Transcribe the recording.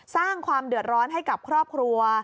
สร้างความเดือดร้อนให้กับครอบครัว